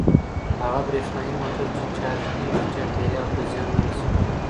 هغه برېښنايي موټر چې چارج کیږي چاپیریال ته زیان نه رسوي.